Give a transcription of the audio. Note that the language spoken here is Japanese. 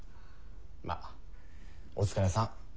まっお疲れさん。